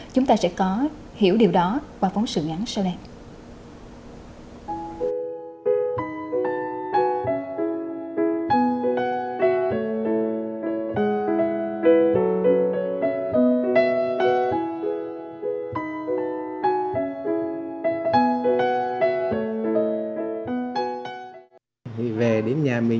chúng ta sẽ có hiểu điều đó qua phóng sự ngắn sau này